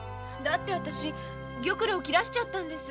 私玉露を切らしちゃったんです。